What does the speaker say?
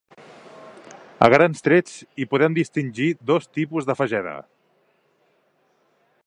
A grans trets hi podem distingir dos tipus de fageda.